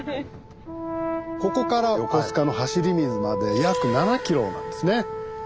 ここから横須賀の走水まで約７ｋｍなんですね。